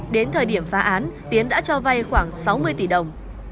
đến thời điểm phá án tiến đã cho vay khoảng sáu mươi tỷ đồng